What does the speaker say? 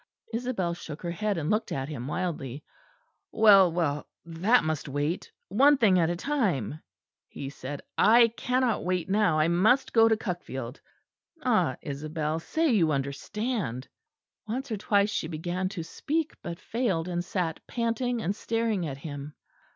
Isabel shook her head and looked at him wildly. "Well, well, that must wait; one thing at a time," he said. "I cannot wait now. I must go to Cuckfield. Ah! Isabel, say you understand." Once or twice she began to speak, but failed; and sat panting and staring at him.